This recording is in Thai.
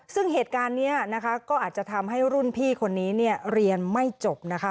ซึ่งเหตุการณ์นี้นะคะก็อาจจะทำให้รุ่นพี่คนนี้เนี่ยเรียนไม่จบนะคะ